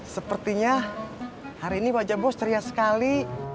sepertinya hari ini wajah bos teriak sekali